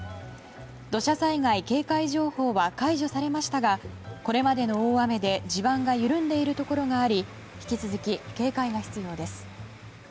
土砂災害警戒情報は解除されましたがこれまでの大雨で地盤が緩んでいるところがあり引き続き警戒が必要です。